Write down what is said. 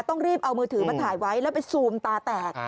ต้องรีบเอามือถือมาถ่ายไว้แล้วไปซูมตาแตก